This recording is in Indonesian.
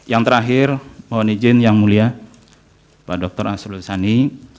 yang terakhir mohon izin yang mulia pak dr asrul sani